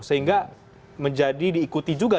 sehingga menjadi diikuti juga